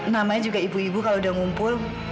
namanya juga ibu ibu kalau udah ngumpul